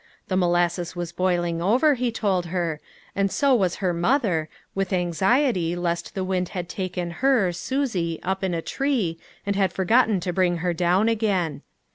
The molassea was boiling over, he told her, and so was her mother, with anxiety lest the wind had taken her, Susie, up in a tree, and had forgotten to bring her down again.